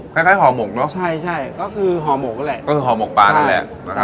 คล้ายคล้ายหอมกเนอะใช่ใช่ก็คือหอมกนั่นแหละก็คือหอมกปลานั่นแหละใช่